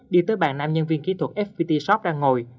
đi tới bàn nam nhân viên kỹ thuật fpt shop ra ngồi